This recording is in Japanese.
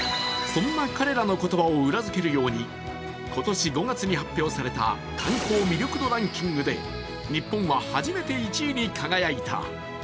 そんな彼らの言葉を裏づけるように今年５月に発表された観光魅力度ランキングで日本は初めて１位に輝いた。